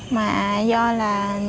mà do là